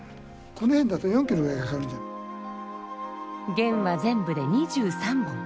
弦は全部で２３本。